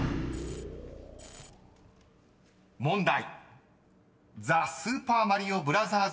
［問題］